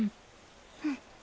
うん。